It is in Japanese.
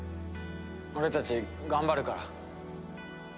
俺たち頑張るから。